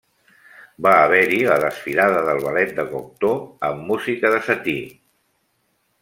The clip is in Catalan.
Va haver-hi la desfilada del Ballet de Cocteau, amb música de Satie.